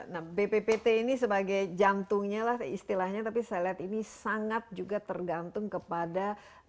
nah bppt ini sebagai jantungnya lah istilahnya tapi saya lihat ini sangat juga tergantung kepada